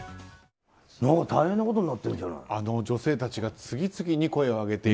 大変なことになってるじゃない。